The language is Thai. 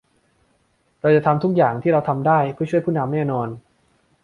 เราจะทำทุกอย่างที่เราทำได้เพื่อช่วยผู้นำแน่นอน